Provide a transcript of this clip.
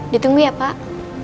ditunggu ya pak